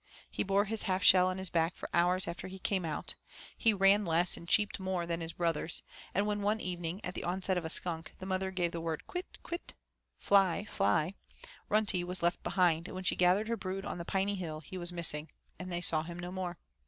He bore his half shell on his back for hours after he came out; he ran less and cheeped more than his brothers, and when one evening at the onset of a skunk the mother gave the word 'Kwit, kwit' (Fly, fly), Runtie was left behind, and when she gathered her brood on the piney hill he was missing, and they saw him no more.